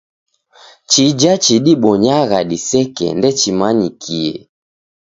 Chija chidibonyagha diseke ndechimanyikie.